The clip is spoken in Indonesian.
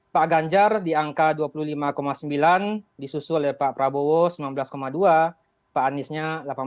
pak ganjar di angka dua puluh lima sembilan disusul oleh pak prabowo sembilan belas dua pak aniesnya delapan belas